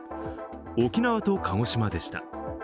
沖縄と鹿児島でした。